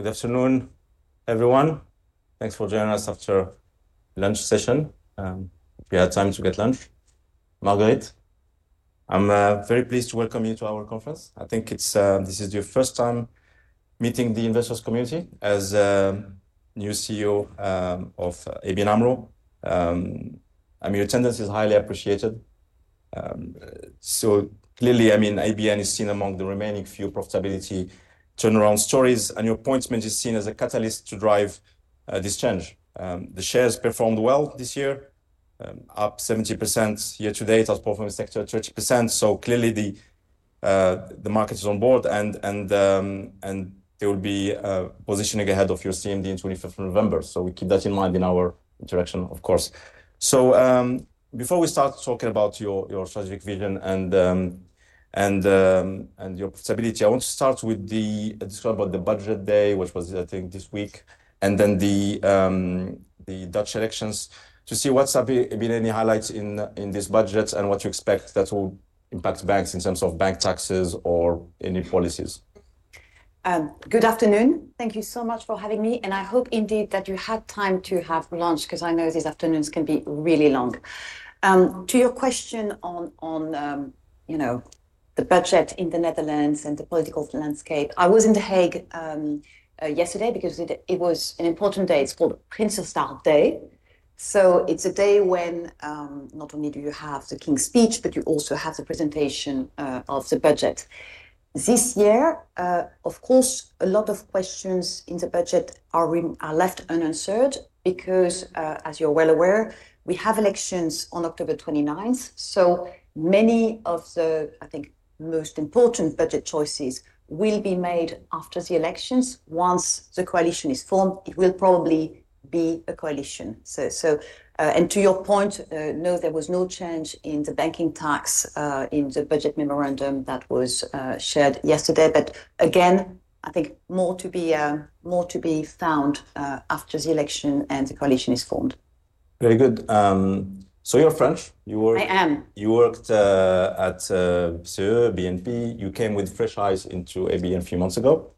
Good afternoon, everyone. Thanks for joining us after the lunch session. We had time to get lunch. Marguerite, I'm very pleased to welcome you to our conference. I think this is your first time meeting the investors' community as a new CEO of ABN AMRO. Your attendance is highly appreciated. Clearly, I mean ABN AMRO is seen among the remaining few profitability turnaround stories, and your appointment is seen as a catalyst to drive this change. The shares performed well this year, up 70% year to date. Our portfolio sector is 30%. Clearly, the market is on board, and they will be positioning ahead of your CMD on the 25th of November. We keep that in mind in our interaction, of course. Before we start talking about your strategic vision and your profitability, I want to start with the discussion about the budget day, which was, I think, this week, and then the Dutch elections to see what's been any highlights in this budget and what you expect that will impact banks in terms of bank taxes or any policies. Good afternoon. Thank you so much for having me, and I hope indeed that you had time to have lunch because I know these afternoons can be really long. To your question on the budget in the Netherlands and the political landscape, I was in The Hague yesterday because it was an important day. It's called Prinsjesdag Day. It's a day when not only do you have the King's speech, but you also have the presentation of the budget. This year, of course, a lot of questions in the budget are left unanswered because, as you're well aware, we have elections on October 29th. Many of the, I think, most important budget choices will be made after the elections. Once the coalition is formed, it will probably be a coalition. To your point, no, there was no change in the banking tax in the budget memorandum that was shared yesterday. I think more to be found after the election and the coalition is formed. Very good. You're French. I am. You worked at BNP. You came with fresh eyes into ABN a few months ago.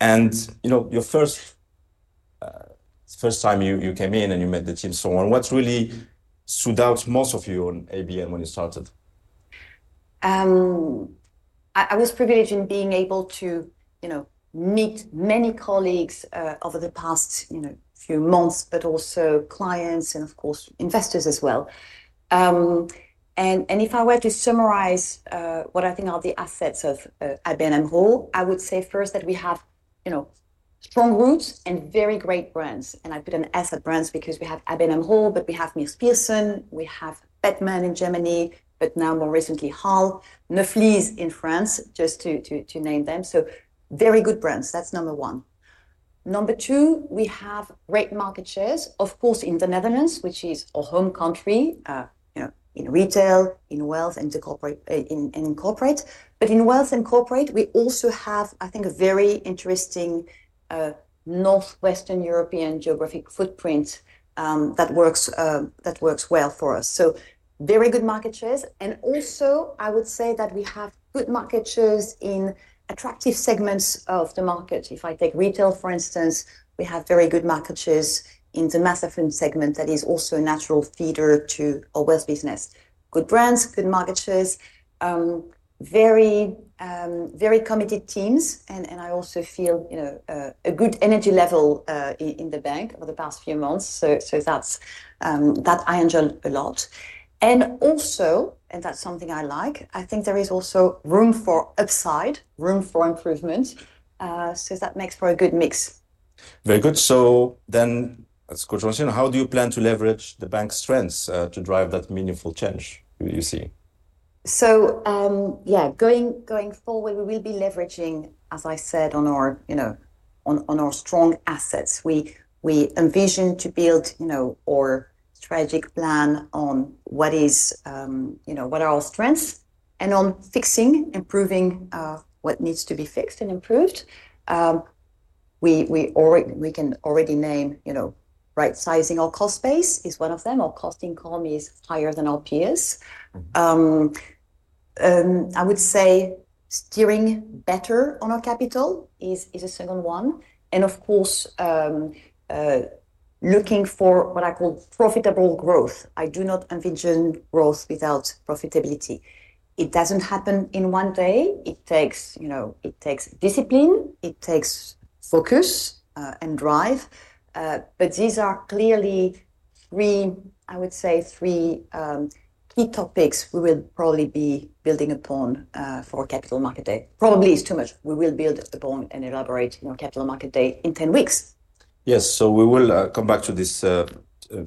Your first time you came in and you met the team, what really stood out most to you on ABN when you started? I was privileged in being able to meet many colleagues over the past few months, but also clients and, of course, investors as well. If I were to summarize what I think are the assets of ABN AMRO, I would say first that we have strong roots and very great brands. I put them as brands because we have ABN AMRO, but we have MeesPierson, we have Bethmann in Germany, but now more recently Neuflize in France, just to name them. Very good brands. That's number one. Number two, we have great market shares, of course, in the Netherlands, which is our home country in retail, in wealth, and in corporate. In wealth and corporate, we also have, I think, a very interesting Northwestern European geographic footprint that works well for us. Very good market shares. I would also say that we have good market shares in attractive segments of the market. If I take retail, for instance, we have very good market shares in the mass affluent segment that is also a natural feeder to our wealth business. Good brands, good market shares, very committed teams. I also feel a good energy level in the bank over the past few months. That's something that I enjoy a lot. I think there is also room for upside, room for improvement. That makes for a good mix. Very good. Let's go to Rosina. How do you plan to leverage the bank's strengths to drive that meaningful change you see? Going forward, we will be leveraging, as I said, on our strong assets. We envision to build our strategic plan on what are our strengths and on fixing, improving what needs to be fixed and improved. We can already name, you know, right-sizing our cost base is one of them. Our cost income is higher than our peers. I would say steering better on our capital is a second one. Of course, looking for what I call profitable growth. I do not envision growth without profitability. It doesn't happen in one day. It takes discipline, it takes focus and drive. These are clearly three, I would say, three key topics we will probably be building upon for our Capital Market Day. Probably it's too much. We will build upon and elaborate on our Capital Market Day in 10 weeks. Yes, we will come back to these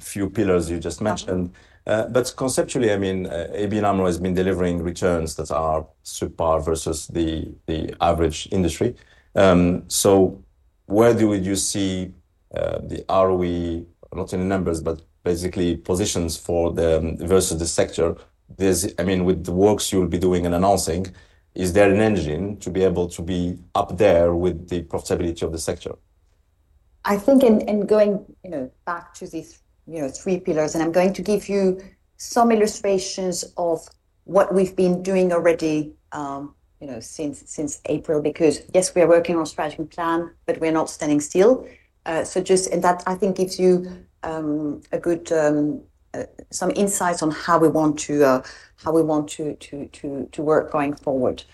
few pillars you just mentioned. Conceptually, I mean, ABN AMRO has been delivering returns that are subpar versus the average industry. Where do you see the ROE, not in numbers, but basically positions for the versus the sector? I mean, with the works you'll be doing and announcing, is there an engine to be able to be up there with the profitability of the sector? I think in going back to these three pillars, and I'm going to give you some illustrations of what we've been doing already since April because, yes, we are working on a strategic plan, but we're not standing still. Just in that, I think, gives you some insights on how we want to work going forward.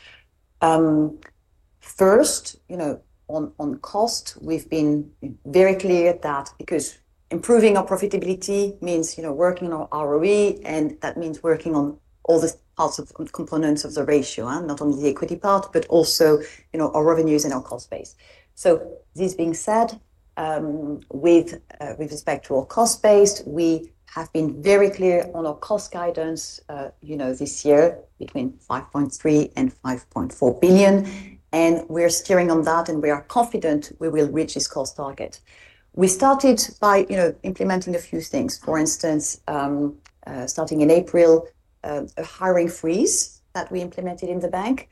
First, you know, on cost, we've been very clear that because improving our profitability means working on our ROE, and that means working on all the parts of the components of the ratio, not only the equity part, but also our revenues and our cost base. These being said, with respect to our cost base, we have been very clear on our cost guidance this year between 5.3 and 5.4 billion. We're steering on that, and we are confident we will reach this cost target. We started by implementing a few things. For instance, starting in April, a hiring freeze that we implemented in the bank.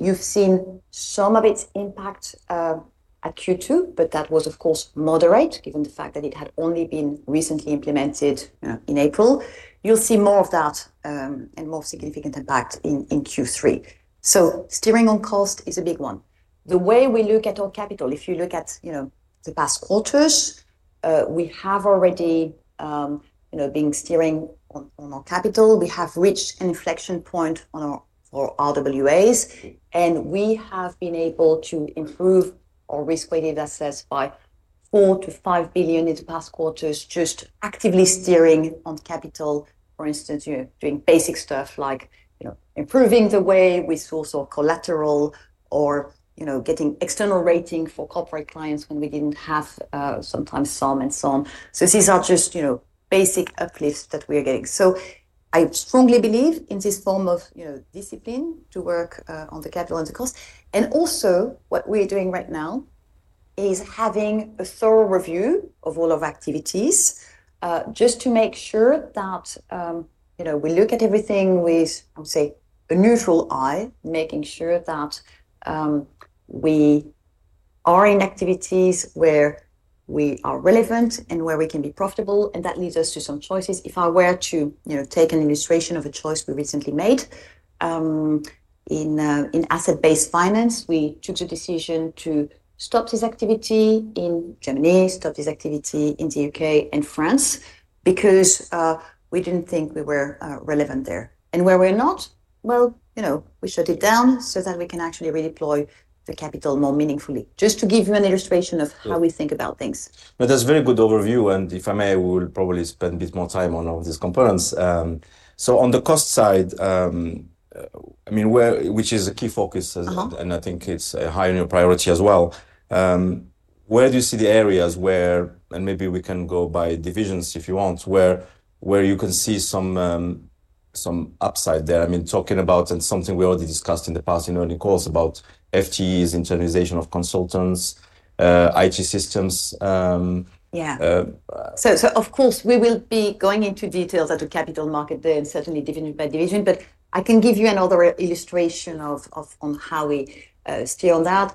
You've seen some of its impact at Q2, but that was, of course, moderate given the fact that it had only been recently implemented in April. You'll see more of that and more significant impact in Q3. Steering on cost is a big one. The way we look at our capital, if you look at the past quarters, we have already been steering on our capital. We have reached an inflection point on our RWAs, and we have been able to improve our risk-weighted assets by 4 to 5 billion in the past quarters, just actively steering on the capital. For instance, doing basic stuff like improving the way we source our collateral or getting external rating for corporate clients when we didn't have sometimes some and some. These are just basic uplifts that we are getting. I strongly believe in this form of discipline to work on the capital and the cost. Also, what we're doing right now is having a thorough review of all of our activities just to make sure that we look at everything with, I would say, a neutral eye, making sure that we are in activities where we are relevant and where we can be profitable. That leads us to some choices. If I were to take an illustration of a choice we recently made in asset-based finance, we took the decision to stop this activity in Germany, stop this activity in the U.K. and France because we didn't think we were relevant there. Where we're not, you know, we shut it down so that we can actually redeploy the capital more meaningfully. Just to give you an illustration of how we think about things. No, that's a very good overview. If I may, we'll probably spend a bit more time on all of these components. On the cost side, which is a key focus, and I think it's high on your priority as well, where do you see the areas where, and maybe we can go by divisions if you want, where you can see some upside there? Talking about, and something we already discussed in the past in early calls, about FTEs, internalization of consultants, IT systems. Yeah. Of course, we will be going into details at the Capital Markets Day and certainly division by division. I can give you another illustration of how we steer on that.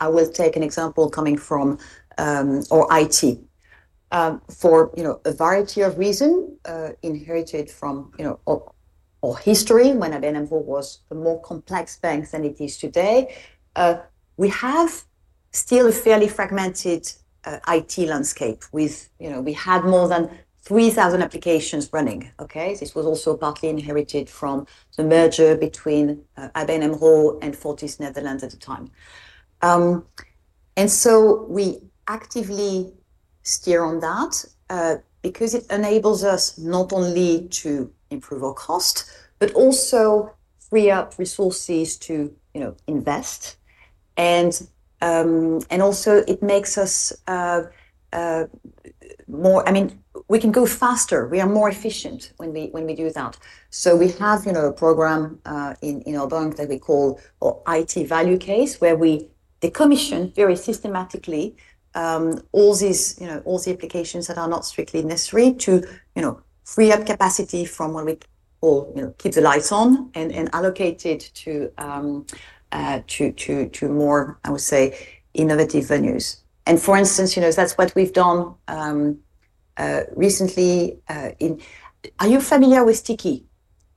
I will take an example coming from our IT. For a variety of reasons, inherited from our history, when ABN AMRO was a more complex bank than it is today, we have still a fairly fragmented IT landscape with, you know, we had more than 3,000 applications running. This was also partly inherited from the merger between ABN AMRO and Fortis Netherlands at the time. We actively steer on that because it enables us not only to improve our cost, but also free up resources to invest. It makes us more, I mean, we can go faster. We are more efficient when we do that. We have a program in our bank that we call our IT Value Case, where we decommission very systematically all the applications that are not strictly necessary to free up capacity from what we call keep the lights on and allocate it to more, I would say, innovative venues. For instance, that's what we've done recently. Are you familiar with Tikkie?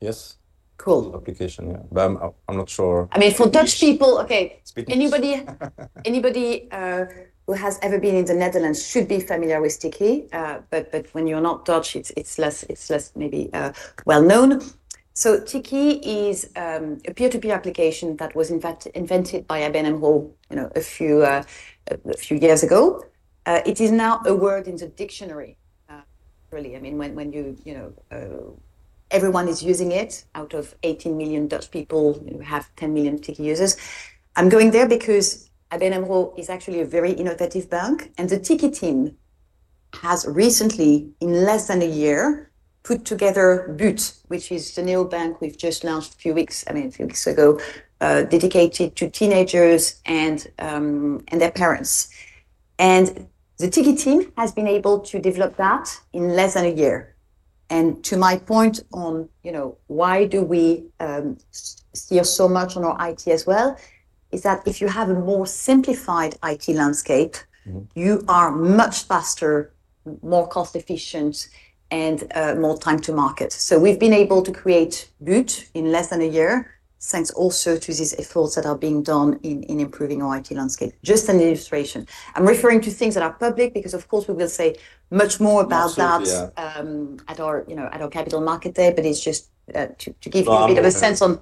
Yes. Cool. Application, yeah. I'm not sure. I mean, for Dutch people, okay, anybody who has ever been in the Netherlands should be familiar with Tikkie. When you're not Dutch, it's less maybe well-known. Tikkie is a peer-to-peer application that was in fact invented by ABN AMRO a few years ago. It is now a word in the dictionary. Really, I mean, when everyone is using it, out of 18 million Dutch people, you have 10 million Tikkie users. I'm going there because ABN AMRO is actually a very innovative bank. The Tikkie team has recently, in less than a year, put together BUUT, which is the new bank we've just launched a few weeks ago, dedicated to teenagers and their parents. The Tikkie team has been able to develop that in less than a year. To my point on, you know, why do we steer so much on our IT as well, is that if you have a more simplified IT landscape, you are much faster, more cost-efficient, and more time to market. We've been able to create BUUT in less than a year, thanks also to these efforts that are being done in improving our IT landscape. Just an illustration. I'm referring to things that are public because, of course, we will say much more about that at our Capital Markets Day, but it's just to give you a bit of a sense on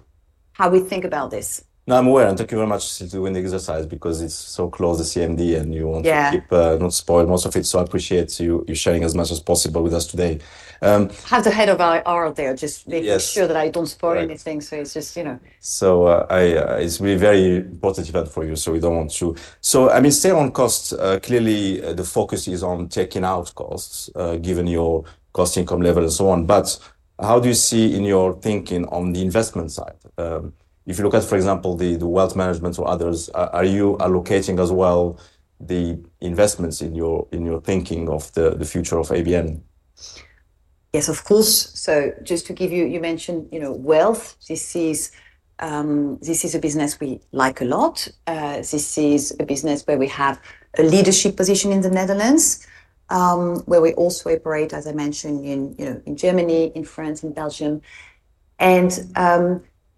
how we think about this. I'm aware. Thank you very much. It's a win-win exercise because it's so close, the CMD, and you want to keep not spoiling most of it. I appreciate you sharing as much as possible with us today. Just making sure that I don't spoil anything. It's just, you know. It's a very important event for you. We don't want to. Still on cost, clearly, the focus is on taking out costs, given your cost income level and so on. How do you see in your thinking on the investment side? If you look at, for example, the wealth management or others, are you allocating as well the investments in your thinking of the future of ABN AMRO? Yes, of course. Just to give you, you mentioned, you know, wealth. This is a business we like a lot. This is a business where we have a leadership position in the Netherlands, where we also operate, as I mentioned, in Germany, in France, and Belgium.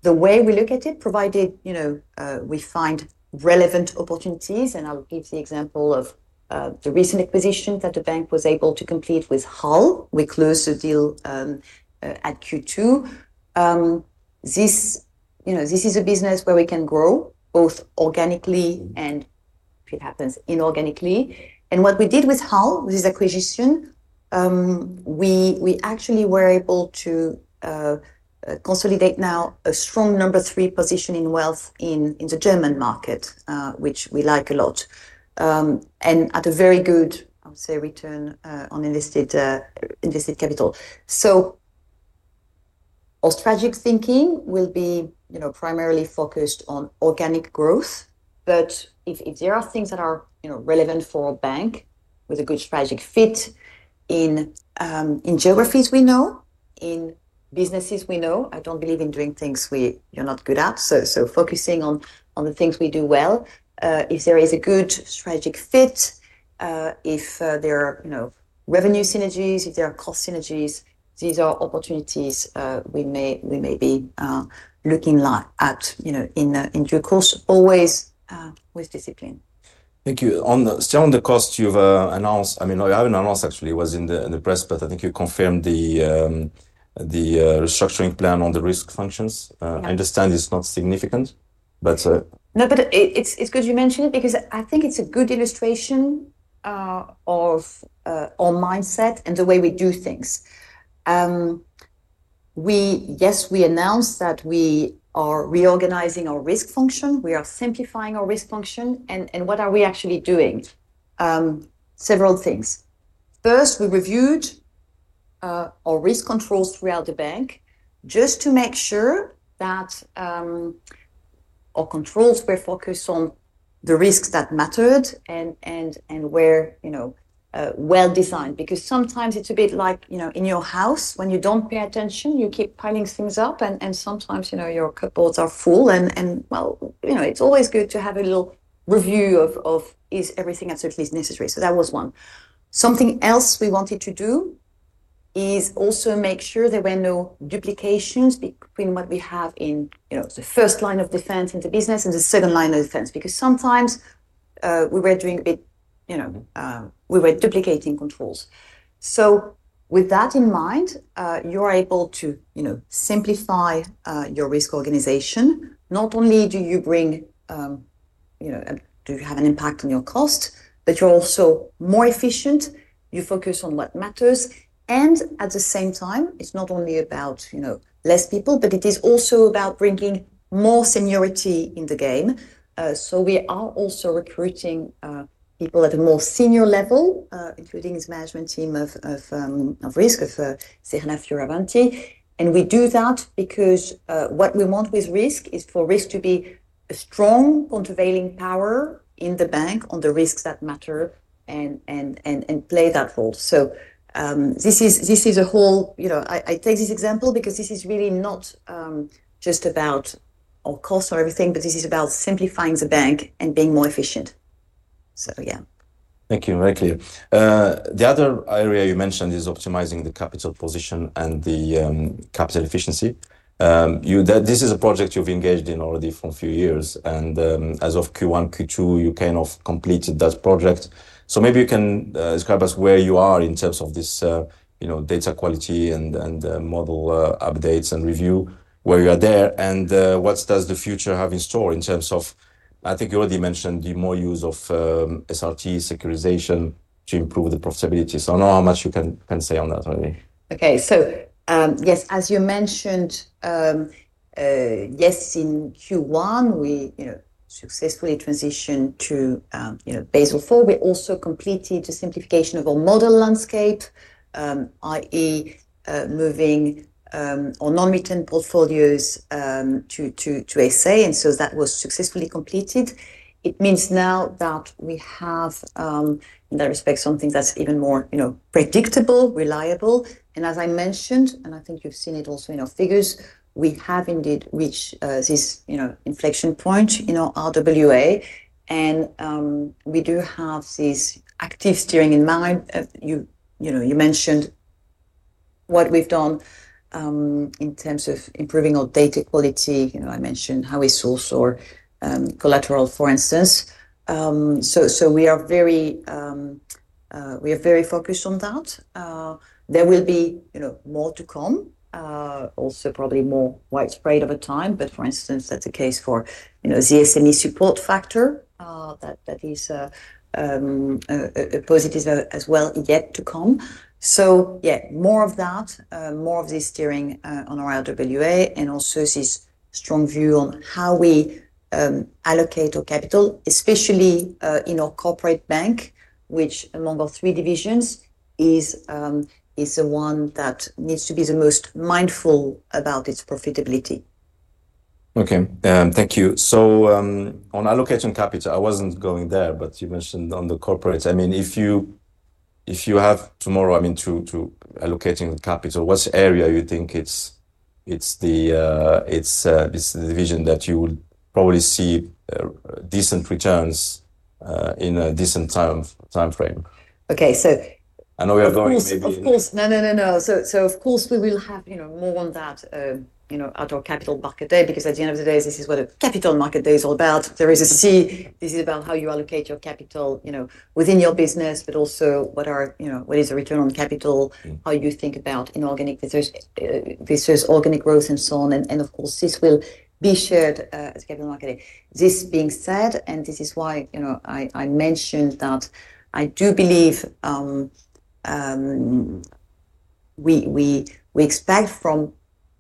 The way we look at it, provided, you know, we find relevant opportunities. I'll give the example of the recent acquisition that the bank was able to complete with HAL. We closed the deal in Q2. This is a business where we can grow both organically and, if it happens, inorganically. What we did with HAL, with this acquisition, we actually were able to consolidate now a strong number three position in wealth in the German market, which we like a lot, and at a very good, I would say, return on invested capital. Our strategic thinking will be primarily focused on organic growth. If there are things that are relevant for a bank with a good strategic fit in geographies we know, in businesses we know, I don't believe in doing things we're not good at. Focusing on the things we do well. If there is a good strategic fit, if there are revenue synergies, if there are cost synergies, these are opportunities we may be looking at in due course, always with discipline. Thank you. Still on the cost, you've announced, I mean, no, you haven't announced actually, it was in the press, but I think you confirmed the restructuring plan on the risk function. I understand it's not significant. No, but it's good you mentioned it because I think it's a good illustration of our mindset and the way we do things. Yes, we announced that we are reorganizing our risk function. We are simplifying our risk function. What are we actually doing? Several things. First, we reviewed our risk controls throughout the bank just to make sure that our controls were focused on the risks that mattered and were well designed. Sometimes it's a bit like in your house, when you don't pay attention, you keep piling things up and your cupboards are full. It's always good to have a little review of whether everything is absolutely necessary. That was one. Something else we wanted to do is also make sure there were no duplications between what we have in the first line of defense in the business and the second line of defense. Sometimes we were duplicating controls. With that in mind, you're able to simplify your risk organization. Not only do you have an impact on your cost, but you're also more efficient. You focus on what matters. At the same time, it's not only about less people, but it is also about bringing more seniority in the game. We are also recruiting people at a more senior level, including the management team of risk, of Serena Fioravanti. We do that because what we want with risk is for risk to be a strong countervailing power in the bank on the risks that matter and play that role. I take this example because this is really not just about our costs or everything, but this is about simplifying the bank and being more efficient. Yeah. Thank you. Very clear. The other area you mentioned is optimizing the capital position and the capital efficiency. This is a project you've engaged in already for a few years. As of Q1, Q2, you kind of completed that project. Maybe you can describe where you are in terms of this data quality and model updates and review where you are there. What does the future have in store in terms of, I think you already mentioned the more use of SRT securitization to improve the profitability. I don't know how much you can say on that already. Okay. Yes, as you mentioned, in Q1, we successfully transitioned to Basel IV. We also completed the simplification of our model landscape, i.e., moving our non-return portfolios to SA. That was successfully completed. It means now that we have, in that respect, something that's even more predictable and reliable. As I mentioned, and I think you've seen it also in our figures, we have indeed reached this inflection point in our RWA. We do have this active steering in mind. You mentioned what we've done in terms of improving our data quality. I mentioned how we source our collateral, for instance. We are very focused on that. There will be more to come, also probably more widespread over time. For instance, that's the case for the SME support factor. That is a positive as well yet to come. More of that, more of this steering on our RWA and also this strong view on how we allocate our capital, especially in our corporate bank, which among our three divisions is the one that needs to be the most mindful about its profitability. Thank you. On allocation capital, I wasn't going there, but you mentioned on the corporates. If you have tomorrow to allocate capital, what area do you think is the division that you will probably see decent returns in a decent timeframe? Okay. So. I know we are going crazy. Of course. We will have more on that at our Capital Markets Day because at the end of the day, this is what a Capital Markets Day is all about. This is about how you allocate your capital within your business, but also what is the return on capital, how you think about inorganic versus organic growth and so on. Of course, this will be shared at the Capital Markets Day. This being said, I do believe we expect from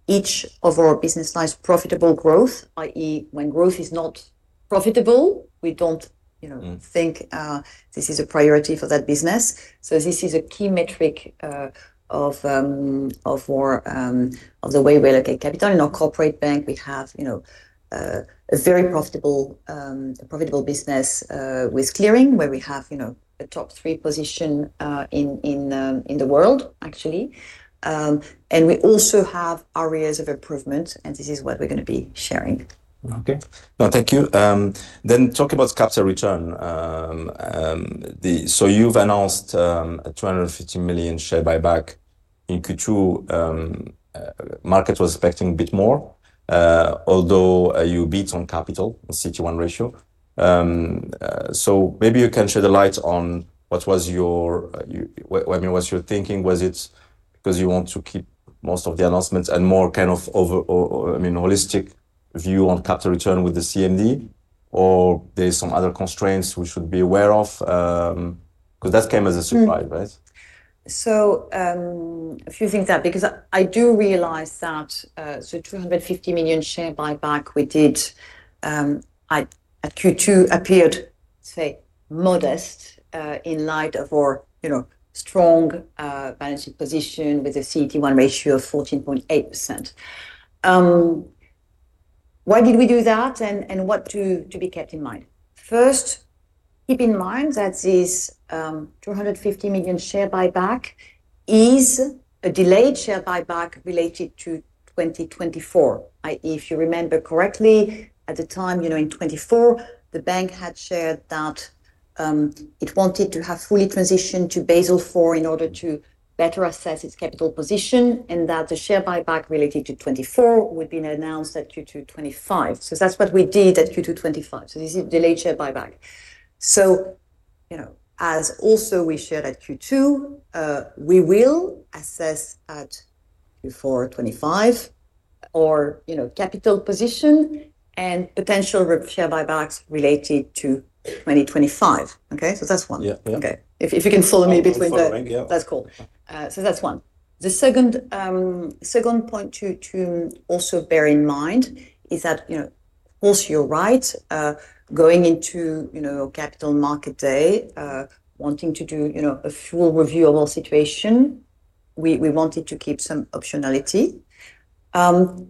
each of our business lines profitable growth, i.e., when growth is not profitable, we don't think this is a priority for that business. This is a key metric of the way we allocate capital. In our Corporate Bank, we have a very profitable business with clearing, where we have a top three position in the world, actually. We also have areas of improvement, and this is what we're going to be sharing. No, thank you. Talk about capital return. You've announced a 250 million share buyback. In Q2, the market was expecting a bit more, although you beat on capital on CET1 ratio. Maybe you can shed a light on what was your, I mean, what's your thinking? Was it because you want to keep most of the announcements and more kind of, I mean, holistic view on capital return with the CMD, or there are some other constraints we should be aware of? That came as a surprise, right? A few things there, because I do realize that, so 250 million share buyback we did at Q2 appeared, say, modest in light of our strong balance position with a CET1 ratio of 14.8%. Why did we do that and what to be kept in mind? First, keep in mind that this 250 million share buyback is a delayed share buyback related to 2024. If you remember correctly, at the time, you know, in 2024, the bank had shared that it wanted to have fully transitioned to Basel IV in order to better assess its capital position and that the share buyback related to 2024 would be announced at Q2 2025. That's what we did at Q2 2025. This is a delayed share buyback. As also we shared at Q2, we will assess at Q4 2025 our capital position and potential share buybacks related to 2025. Okay, that's one. Yeah. Okay. If you can follow me between those, that's cool. That's one. The second point to also bear in mind is that, you know, of course, you're right, going into our Capital Markets Day, wanting to do a full review of our situation, we wanted to keep some optionality.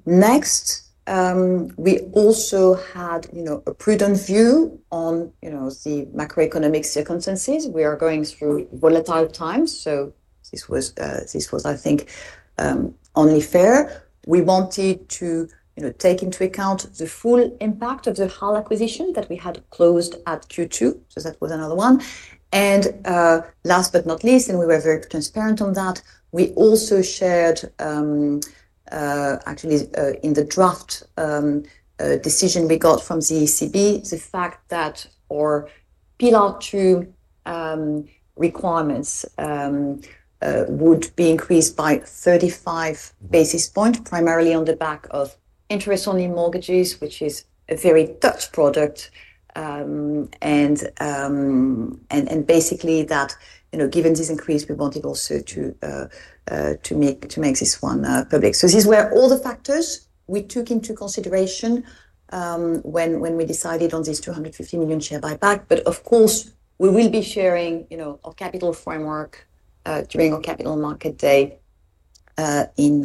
Next, we also had a prudent view on the macro-economic circumstances. We are going through volatile times. This was, I think, only fair. We wanted to take into account the full impact of the HAL acquisition that we had closed at Q2. That was another one. Last but not least, we were very transparent on that. We also shared actually in the draft decision we got from the ECB the fact that our Pillar 2 requirements would be increased by 35 basis points, primarily on the back of interest-only mortgages, which is a very Dutch product. Basically, given this increase, we wanted also to make this one public. These were all the factors we took into consideration when we decided on this 250 million share buyback. Of course, we will be sharing our capital framework during our Capital Markets Day on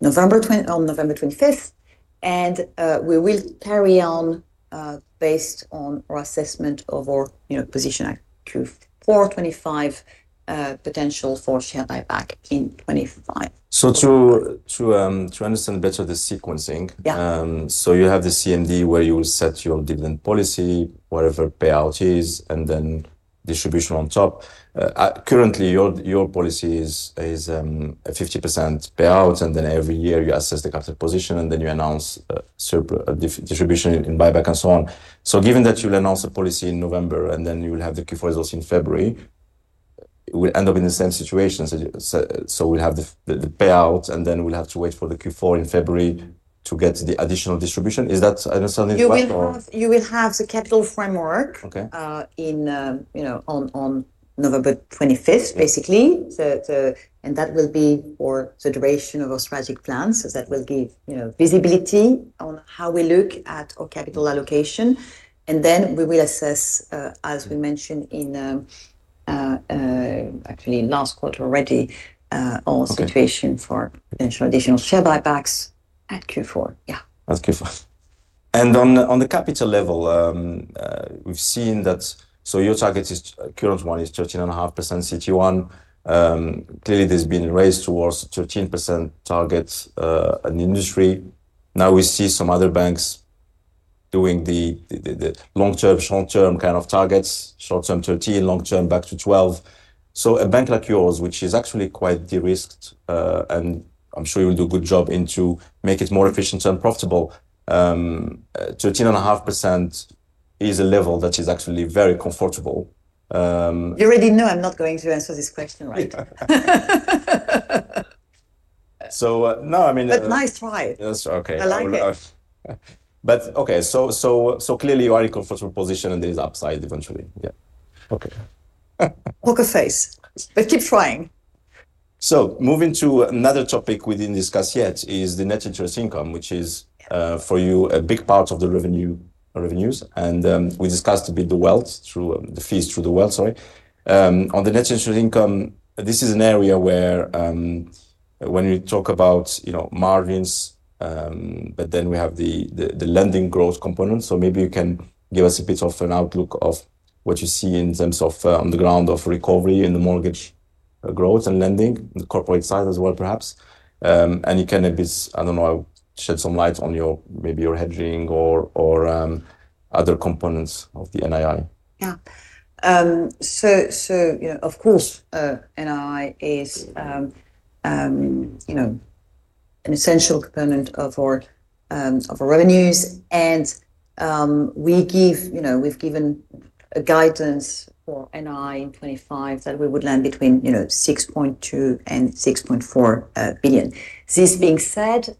November 25th, and we will carry on based on our assessment of our position at Q4 2025, potential for share buyback in 2025. To understand better the sequencing, you have the CMD where you will set your dividend policy, whatever payout it is, and then distribution on top. Currently, your policy is a 50% payout, and every year you assess the capital position, and then you announce distribution and buyback and so on. Given that you'll announce a policy in November, and then you'll have the Q4 results in February, we'll end up in the same situation. We'll have the payout, and then we'll have to wait for the Q4 in February to get the additional distribution. Is that understanding? You will have the capital framework on November 25th, basically. That will be for the duration of our strategic plan. That will give visibility on how we look at our capital allocation. We will assess, as we mentioned in actually last quarter already, our situation for potential additional share buybacks at Q4. At Q4. On the capital level, we've seen that your target is current one is 13.5% CET1. Clearly, there's been a race towards 13% targets in the industry. We see some other banks doing the long-term, short-term kind of targets, short-term 13%, long-term back to 12%. A bank like yours, which is actually quite de-risked, and I'm sure you'll do a good job in to make it more efficient and profitable, 13.5% is a level that is actually very comfortable. You already know I'm not going to answer this question, right? No, I mean. Nice try. Yes, okay. I like it. Clearly you are in a comfortable position and there is upside eventually. Yeah, okay. Walk of faith, keep trying. Moving to another topic we didn't discuss yet is the net interest income, which is for you a big part of the revenues. We discussed a bit the wealth through the fees, through the wealth, sorry. On the net interest income, this is an area where you talk about margins, but then we have the lending growth component. Maybe you can give us a bit of an outlook of what you see in terms of on the ground of recovery in the mortgage growth and lending, corporate size as well perhaps. You can, I don't know, shed some light on maybe your hedging or other components of the NII. Yeah. Of course, NII is an essential component of our revenues. We've given a guidance for NII in 2025 that we would land between 6.2 and 6.4 billion. This being said,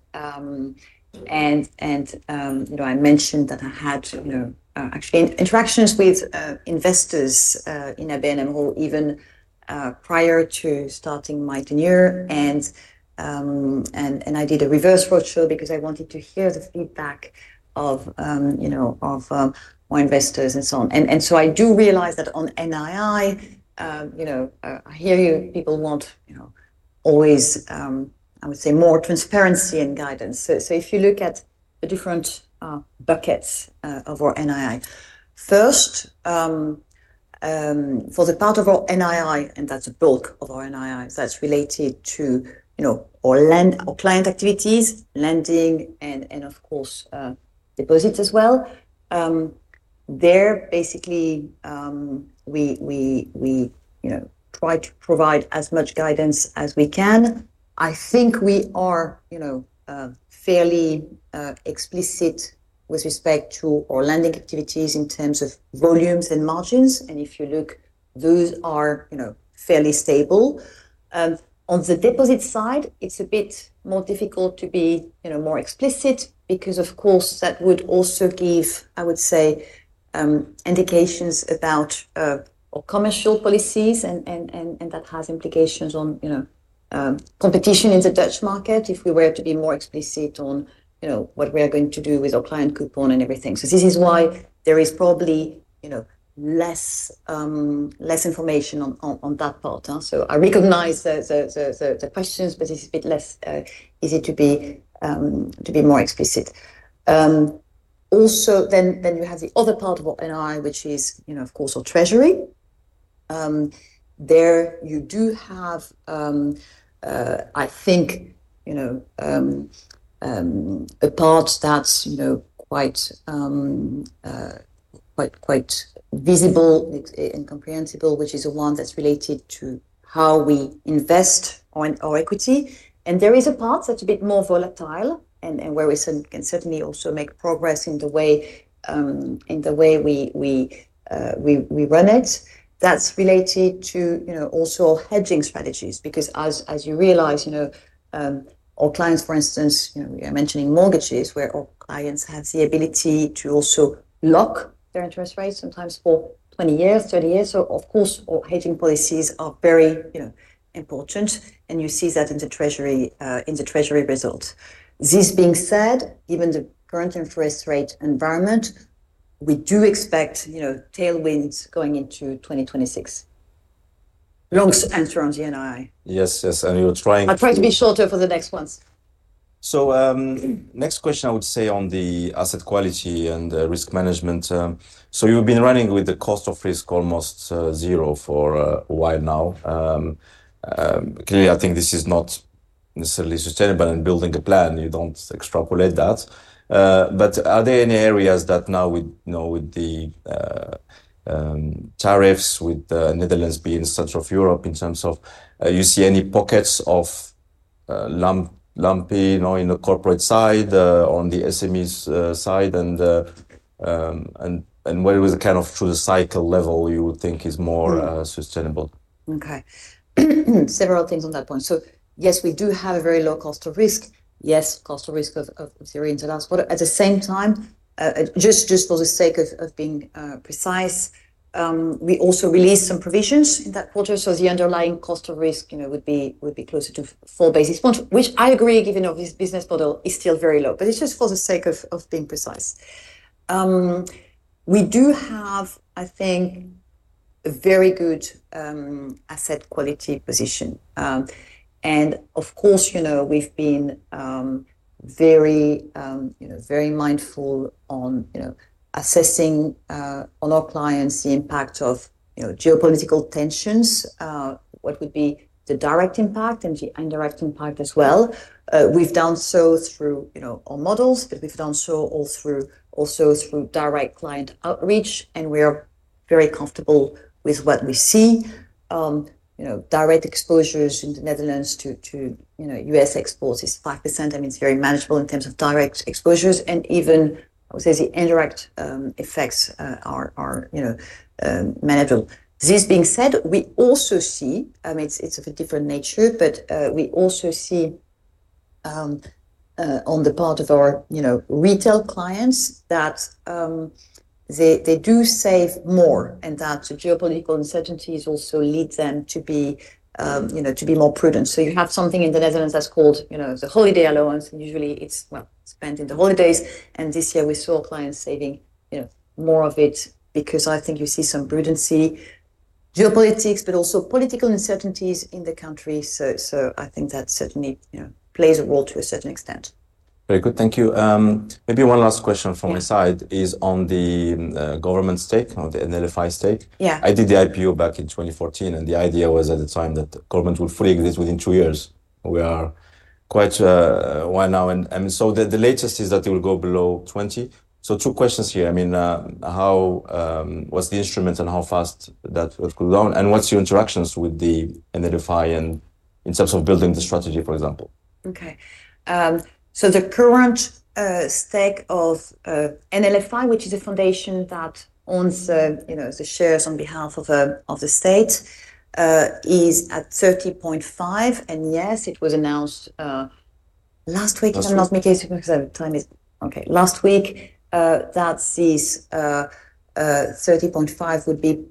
I mentioned that I had actually interactions with investors in ABN AMRO even prior to starting my tenure. I did a reverse roadshow because I wanted to hear the feedback of my investors and so on. I do realize that on NII, I hear you, people want always, I would say, more transparency and guidance. If you look at the different buckets of our NII, first, for the part of our NII, and that's the bulk of our NII, that's related to our client activities, lending, and of course, deposits as well. There, basically, we try to provide as much guidance as we can. I think we are fairly explicit with respect to our lending activities in terms of volumes and margins. If you look, those are fairly stable. On the deposit side, it's a bit more difficult to be more explicit because, of course, that would also give, I would say, indications about our commercial policies. That has implications on competition in the Dutch market if we were to be more explicit on what we are going to do with our client coupon and everything. This is why there is probably less information on that part. I recognize the questions, but this is a bit less easy to be more explicit. Also, then you have the other part of our NII, which is, of course, our treasury. There, you do have, I think, a part that's quite visible and comprehensible, which is the one that's related to how we invest on our equity. There is a part that's a bit more volatile and where we can certainly also make progress in the way we run it. That's related to also our hedging strategies because, as you realize, our clients, for instance, you know, we are mentioning mortgages, where our clients have the ability to also lock their interest rates sometimes for 20 years, 30 years. Of course, our hedging policies are very important. You see that in the treasury result. This being said, given the current interest rate environment, we do expect tailwinds going into 2026. Long answer on the NII. Yes, we're trying. I'll try to be shorter for the next ones. Next question, I would say, on the asset quality and the risk management. You've been running with the cost of risk almost zero for a while now. Clearly, I think this is not necessarily sustainable in building a plan. You don't extrapolate that. Are there any areas that now with the tariffs, with the Netherlands being in the center of Europe, do you see any pockets of lumpy in the corporate side, on the SMEs side, and where it was a kind of through the cycle level you would think is more sustainable? Several things on that point. Yes, we do have a very low cost of risk. Yes, cost of risk of theory. At the same time, just for the sake of being precise, we also released some provisions in that quarter. The underlying cost of risk would be closer to 4 basis points, which I agree, given our business model, is still very low. It's just for the sake of being precise. We do have, I think, a very good asset quality position. Of course, we've been very mindful on assessing on our clients the impact of geopolitical tensions, what would be the direct impact and the indirect impact as well. We've done so through our models, but we've done so also through direct client outreach. We are very comfortable with what we see. Direct exposures in the Netherlands to U.S. exports is 5%. It's very manageable in terms of direct exposures. Even, I would say, the indirect effects are manageable. This being said, we also see, it's of a different nature, but we also see on the part of our retail clients that they do save more and that the geopolitical uncertainties also lead them to be more prudent. You have something in the Netherlands that's called the holiday allowance. Usually, it's spent in the holidays. This year, we saw our clients saving more of it because I think you see some prudency, geopolitics, but also political uncertainties in the country. I think that certainly plays a role to a certain extent. Very good. Thank you. Maybe one last question from my side is on the government stake or the NLFI stake. Yeah. I did the IPO back in 2014, and the idea was at the time that the government would fully exit within two years. We are quite a while now. The latest is that it will go below 20%. Two questions here. How was the instrument and how fast that could go down? What's your interactions with the NLFI in terms of building the strategy, for example? Okay. The current stake of NLFI, which is a foundation that owns the shares on behalf of the state, is at 30.5%. Yes, it was announced last week, if I'm not mistaken, because the time is okay, last week that this 30.5% would be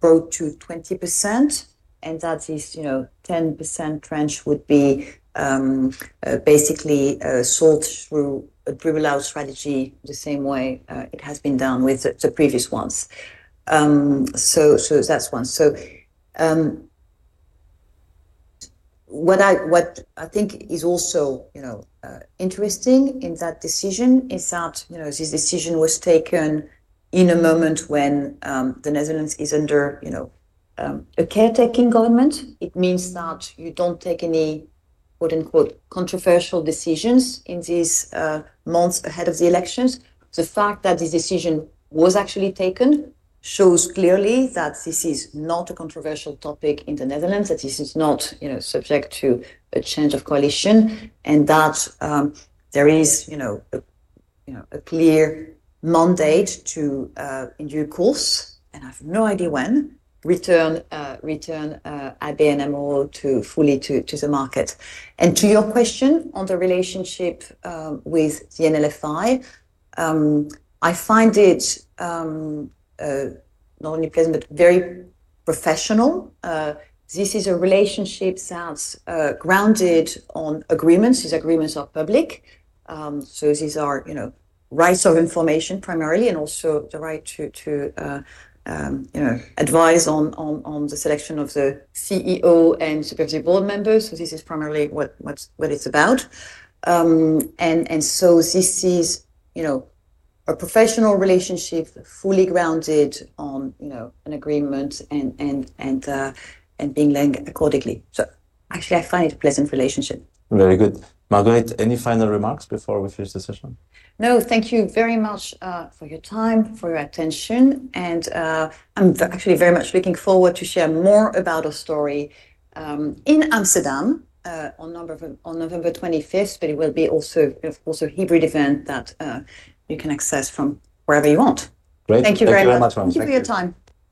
brought to 20%. This 10% tranche would be basically sold through a pre-reload strategy the same way it has been done with the previous ones. What I think is also interesting in that decision is that this decision was taken in a moment when the Netherlands is under a caretaking government. It means that you don't take any "controversial" decisions in these months ahead of the elections. The fact that this decision was actually taken shows clearly that this is not a controversial topic in the Netherlands, that this is not subject to a change of coalition, and that there is a clear mandate to in due course, and I have no idea when, return ABN AMRO fully to the market. To your question on the relationship with the NLFI, I find it not only pleasant, but very professional. This is a relationship that's grounded on agreements. These agreements are public. These are rights of information primarily, and also the right to advise on the selection of the CEO and supervisory board members. This is primarily what it's about. This is a professional relationship fully grounded on an agreement and being led accordingly. I find it a pleasant relationship. Very good. Marguerite, any final remarks before we finish the session? No, thank you very much for your time, for your attention. I'm actually very much looking forward to share more about our story in Amsterdam on November 25th. It will also be a hybrid event that you can access from wherever you want. Great. Thank you very much. Thank you very much for your time.